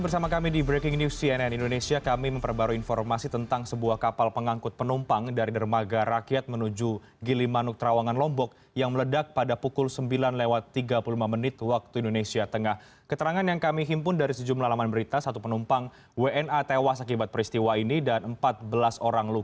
cnn indonesia breaking news